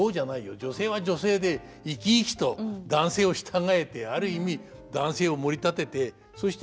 女性は女性で生き生きと男性を従えてある意味男性をもり立ててそして